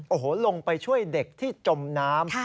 โอ้โหลงไปช่วยเด็กที่จมน้ำ